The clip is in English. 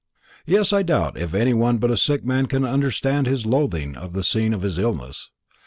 "Yes; I doubt if any one but a sick man can understand his loathing of the scene of his illness.